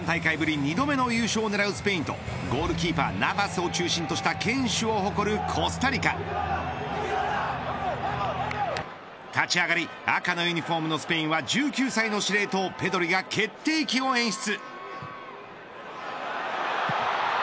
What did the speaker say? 若き才能とベテランが融合し３大会ぶり２度目の優勝を狙うスペインとゴールキーパー、ナヴァスを中心とした堅守を誇るコスタリカ立ち上がり、赤のユニホームのスペインは１９歳の司令塔ペドリが決定機を演出。